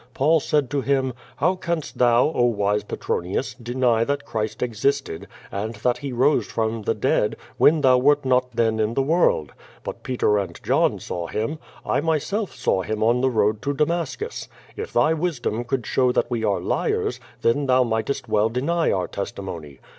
Paul said to him, *How canst thou, oh, wise Petronius, deny that Clirist existed, and that he rose from the dead, when thou wert not (JVO VADrs, 289 then in the world? But Peter and John saw Him. I my self saw Him on the road to Damascus. If thy wisdom could show that we are liars, tlien thou mightest well deny our tes timony.'